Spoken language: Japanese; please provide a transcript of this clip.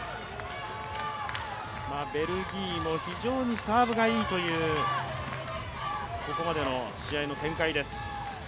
ベルギーも非常にサーブがいいという、ここまでの試合展開です。